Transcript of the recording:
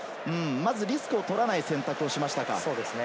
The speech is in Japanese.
リスクを取らない選択をしましたか。